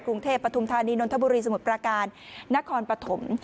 กรุงเทพปฐุมธานีนนทบุรีสมุทรประการนครปฐม